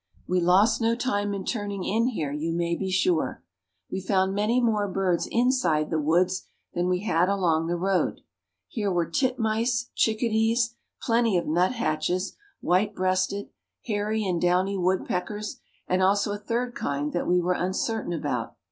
We lost no time in turning in here, you may be sure. We found many more birds inside the woods than we had along the road. Here were titmice, chickadees, plenty of nut hatches white breasted; hairy and downy woodpeckers, and also a third kind that we were uncertain about.